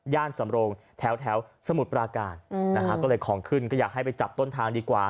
ย่านสำรงแถวแถวสมุษย์ปราการอืมนะคะก็เลยของขึ้นก็อยากให้ไปจับต้นทางดีกว่า